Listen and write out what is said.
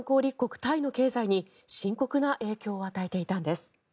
タイの経済に深刻な影響を与えていたんです。